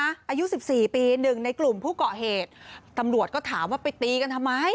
อายุสิบสี่ปีหนึ่งในกลุ่มผู้ก่อเหตุตำรวจก็ถามว่าไปตีกันทำไม